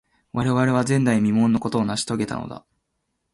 我々は、前代未聞のことを成し遂げたのだ。